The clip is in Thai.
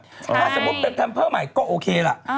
ถ้าสมมุติเป็นแพมเพอร์ใหม่ก็โอเคล่ะ